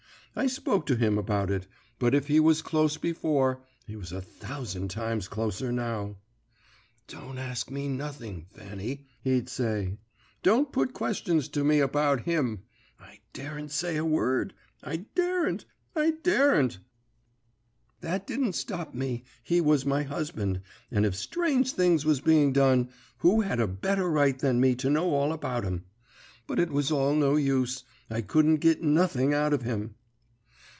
I spoke to him about it, but if he was close before, he was a thousand times closer now. "'Don't ask me nothing, Fanny,' he'd say; 'don't put questions to me about him. I daren't say a word, I daren't, I daren't!' "That didn't stop me; he was my husband, and if strange things was being done, who had a better right than me to know all about 'em? But it was all no use; I couldn't git nothing out of him.